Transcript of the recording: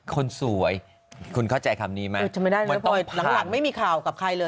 คนสวยคุณเข้าใจคำนี้ไหมเหมือนตอนหลังไม่มีข่าวกับใครเลย